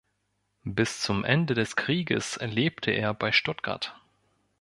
Bis zum Ende des Krieges lebte er bei Stuttgart.